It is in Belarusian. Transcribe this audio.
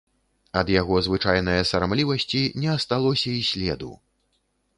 Ад яго звычайнае сарамлівасці не асталося і следу.